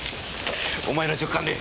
お前の直感で！